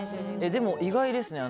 でも、意外ですね。